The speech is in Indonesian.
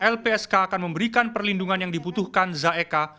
lpsk akan memberikan perlindungan yang dibutuhkan zaeka